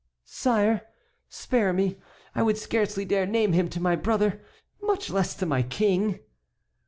"Sire, spare me. I would scarcely dare name him to my brother, much less to my King."